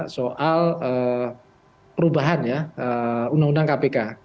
soal perubahan ya undang undang kpk